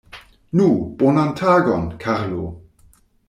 Nu, bonan tagon, Karlo!